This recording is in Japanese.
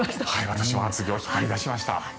私も厚着を引っ張り出しました。